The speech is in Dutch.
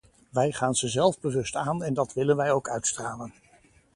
Wij gaan ze zelfbewust aan en dat willen wij ook uitstralen.